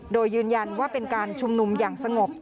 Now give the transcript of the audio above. โดยยืนยันว่าเป็นการชุมนุมอย่างสงบ